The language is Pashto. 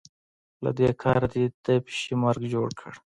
له دې کاره دې د پيشي مرګ جوړ کړ.